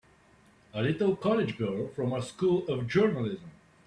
A little college girl from a School of Journalism!